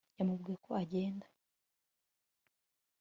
yamubwiye ko agenda